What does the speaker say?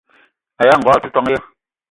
Aya ngogo o te ton ya?